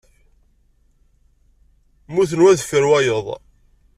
Mmuten wa deffir wayeḍ.